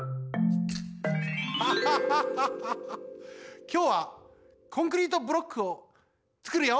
ハハハハきょうはコンクリートブロックをつくるよ！